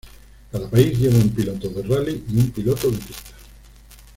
Cada país lleva un piloto de rally y un piloto de pista.